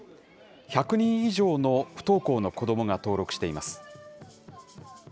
１００人以上の不登校の子どもが登録しています。